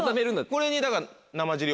これにだから。